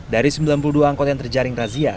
dari sembilan puluh dua angkot yang terjaring razia